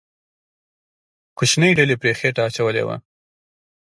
کوچنۍ ډلې پرې خېټه اچولې وه.